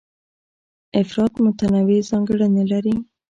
افراد متنوع ځانګړنې لري.